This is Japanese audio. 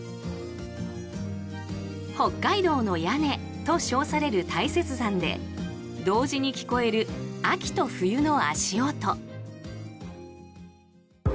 北海道の屋根と称される大雪山で同時に聞こえる秋と冬の足音。